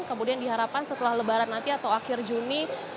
kemudian diharapkan setelah lebaran nanti atau akhir juni